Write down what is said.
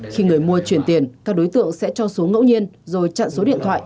khi người mua chuyển tiền các đối tượng sẽ cho xuống ngẫu nhiên rồi chặn số điện thoại